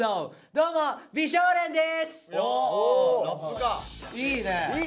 どうも美少年です！